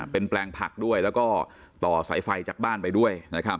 เป็นแปลงผักด้วยแล้วก็ต่อสายไฟจากบ้านไปด้วยนะครับ